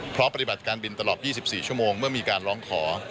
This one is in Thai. เพราะปฏิบัติการบินตลอด๒๔ชั่วโมงเมื่อมีการร้องขอ